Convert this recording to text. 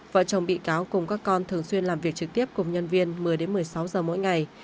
vợ chồng bị cáo cùng các con thường xuyên làm việc trực tiếp cùng nhân viên một mươi một mươi sáu giờ mỗi ngày